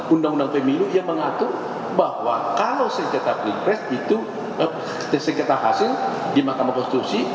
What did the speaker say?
lima undang undang pemilu yang mengatur bahwa kalau seketa hasil di mahkamah konstitusi